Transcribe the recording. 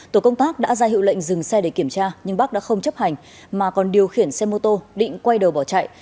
tổ công tác đã ra hiệu lệnh dừng xe để kiểm tra nhưng bắc đã không chấp hành mà còn điều khiển xe mô tô định quay đầu bỏ chạy